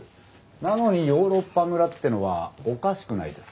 なのにヨーロッパ村ってのはおかしくないですか？